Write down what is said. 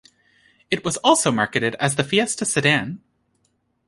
It was also marketed as the Fiesta Sedan.